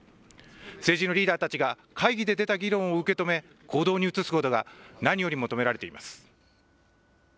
政治のリーダーたちが、会議で出た議論を受け止め、行動に移すことが何より求められています。